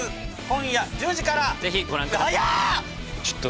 今夜１０時からぜひご覧ください早っ！